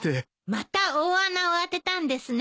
また大穴を当てたんですね。